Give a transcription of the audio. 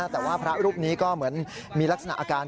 แต่ว่าพระรูปนี้ก็เหมือนมีลักษณะอาการ